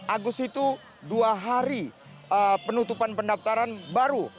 agus itu dua hari penutupan pendaftaran baru